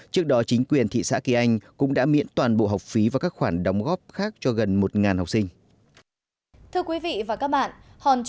trước đó chính quyền thị xã kỳ anh cũng đã miễn toàn bộ học phí và các khoản đóng góp khác cho gần một học sinh